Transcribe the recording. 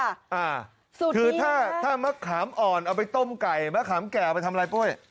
อ่าสุดคือถ้าถ้ามะขามอ่อนเอาไปต้มไก่มะขามแก่เอาไปทำอะไรกล้วย